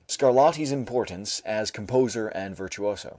Scarlatti's Importance as Composer and Virtuoso.